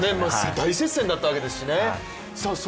大接戦だったわけですしね。